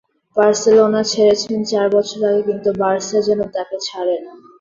Barcelona ছেড়েছেন চার বছর আগে, কিন্তু বার্সা যেন তাঁকে ছাড়ে না।